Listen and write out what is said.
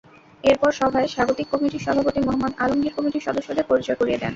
এরপর সভায় স্বাগতিক কমিটির সভাপতি মোহাম্মদ আলমগীর কমিটির সদস্যদের পরিচয় করিয়ে দেন।